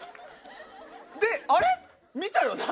であれ見たよな？